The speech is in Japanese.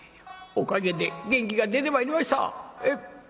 おかげで元気が出てまいりました。